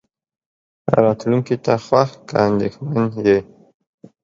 راتلونکې ته خوښ که اندېښمن يې.